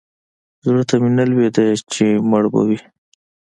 زړه ته مې نه لوېده چې مړ به وي.